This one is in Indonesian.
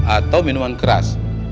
atau minuman keras